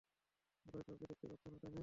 ঘোড়ায় কাউকে দেখতে পাচ্ছো না, তাই না?